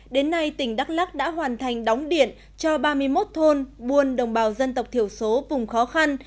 đến nay tỉnh đắk lắc đã hoàn thành đóng điện cho ba mươi một thôn buôn đồng bào dân tộc thiểu số vùng khó khăn